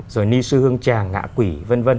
rồi ni sư hương tràng ngã quỷ v v